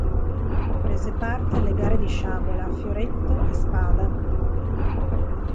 Prese parte alle gare di sciabola, fioretto e spada.